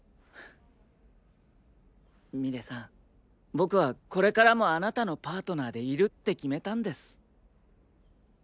僕はこれからもあなたのパートナーでいるって決めたんです。